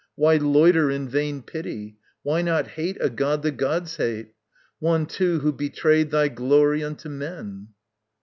Why loiter in vain pity? Why not hate A god the gods hate? one too who betrayed Thy glory unto men?